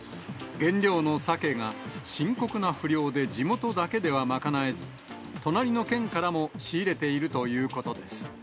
原料のサケが深刻な不漁で地元だけでは賄えず、隣の県からも仕入れているということです。